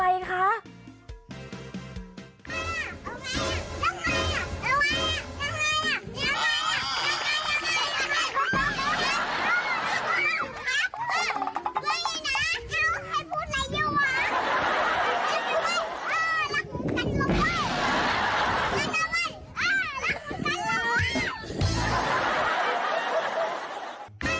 เอ้อรักเหมือนกันนะเว้ย